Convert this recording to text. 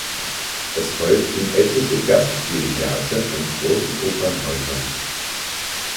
Es folgten etliche Gastdirigate an großen Opernhäusern.